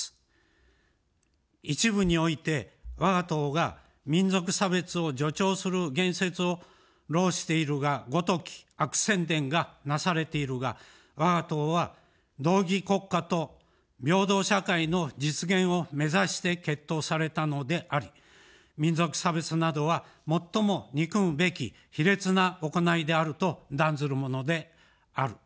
一部において、わが党が、民族差別を助長する言説を弄しているがごとき悪宣伝がなされているが、わが党は道義国家と平等社会の実現を目指して結党されたのであり、民族差別などはもっとも憎むべき卑劣な行いであると断ずるものである。